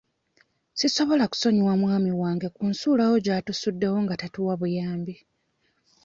Sisobola kusonyiwa mwami wange ku nsuulawo gy'atusuddewo nga tatuwa buyambi.